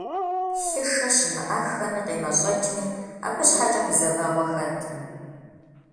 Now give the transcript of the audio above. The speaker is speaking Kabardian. Лъышэ щымыӀэххэми къемэщӀэкӀми, абы щхьэкӀэ гузэвэгъуэ хэткъым.